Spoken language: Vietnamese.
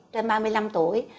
trên ba mươi năm tuổi